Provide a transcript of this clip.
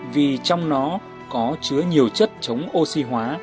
vì trong nó có chứa nhiều chất chống oxy hóa